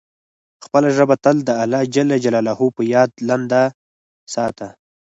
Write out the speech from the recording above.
خپله ژبه تل د الله جل جلاله په یاد لنده ساته.